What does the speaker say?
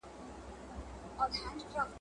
دلته دوږخ هلته دوږخ دی د خوارانو موري !.